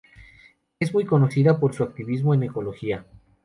Es muy conocida por su activismo en ecología.